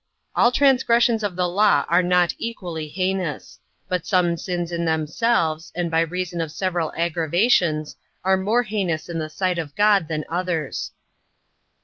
All transgressions of the law are not equally heinous; but some sins in themselves, and by reason of several aggravations, are more heinous in the sight of God than others.